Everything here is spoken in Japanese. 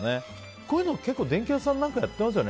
こういうの電気屋さんなんかやってますよね。